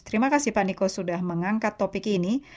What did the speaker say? terima kasih pak niko sudah mengangkat topik ini